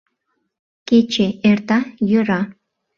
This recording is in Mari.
Кече эрта, йӧра.